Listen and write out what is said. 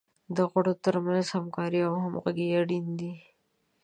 د غړو تر منځ همکاري او همغږي اړین دی.